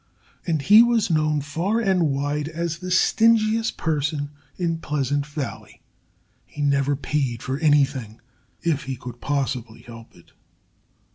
And he was known far and wide as the stingiest person in Pleasant Valley. He never paid for anything if he could possibly help it.